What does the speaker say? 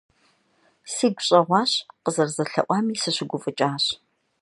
Сигу щӀэгъуащ, къызэрызэлъэӀуами сыщыгуфӀыкӀащ.